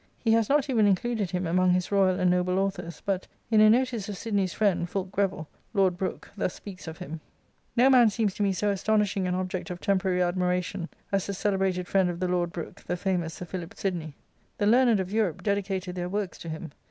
He has not even included him among his " Royal and Noble Authors," but, in a notice of Sidney's friend, Fulke Greville, Lord Brcoke, thus speaks of him :—" No man seems to me so astonishing an object of temporar^^drjuiaJtion^ as the / celebrated frienff ""onfie Lord Brooke, the famous Sir Philip Sidney. The learned of Europe dedicated their works to him.